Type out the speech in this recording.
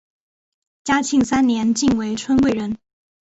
嘉庆三年晋为春贵人。